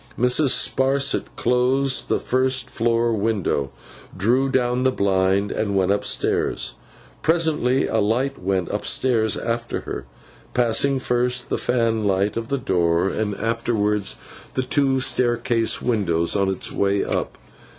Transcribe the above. Mrs. Sparsit closed the first floor window, drew down the blind, and went up stairs. Presently, a light went up stairs after her, passing first the fanlight of the door, and afterwards the two staircase windows, on its way up.